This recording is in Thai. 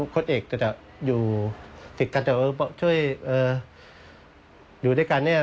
โคตรเอกจะจะอยู่ติดกันจะช่วยอยู่ด้วยกัน